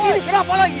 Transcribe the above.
ini kena apa lagi